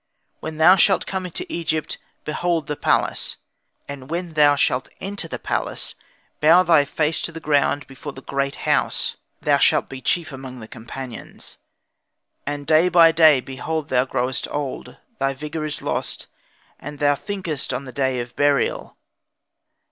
When thou shalt come into Egypt behold the palace, and when thou shalt enter the palace, bow thy face to the ground before the Great House; thou shalt be chief among the companions. And day by day behold thou growest old; thy vigour is lost, and thou thinkest on the day of burial.